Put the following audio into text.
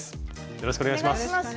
よろしくお願いします。